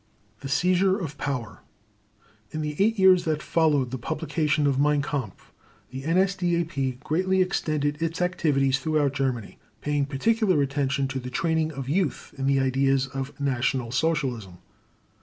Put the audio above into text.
The Seizure of Power In the eight years that followed the publication of Mein Kampf, the NSDAP greatly extended its activities throughout Germany, paying particular attention to the training of youth in the ideas of National Socialism.